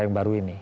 yang baru ini